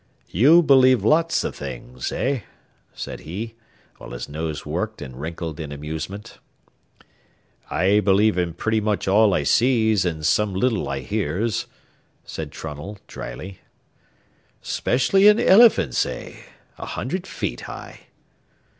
"You believe lots o' things, eh?" said he, while his nose worked and wrinkled in amusement. "I believe in pretty much all I sees an' some little I hears," said Trunnell, dryly. "'Specially in eliphints, eh? a hundred feet high?"